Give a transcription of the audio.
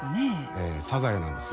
ええサザエなんですよ。